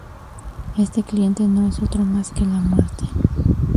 Este cliente no es otro más que La Muerte.